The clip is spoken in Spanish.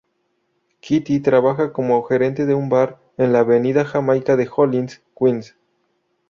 Kitty trabajaba como gerente de un bar en la Avenida Jamaica de Hollis, Queens.